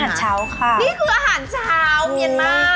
อาหารเช้าค่ะนี่คืออาหารเช้ามีมาก